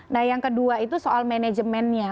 nah yang kedua itu soal manajemennya